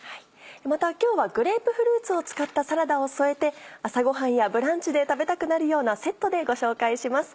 また今日はグレープフルーツを使ったサラダを添えて朝ごはんやブランチで食べたくなるようなセットでご紹介します。